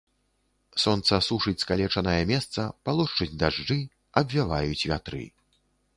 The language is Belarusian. Сонца сушыць скалечанае месца, палошчуць дажджы, абвяваюць вятры.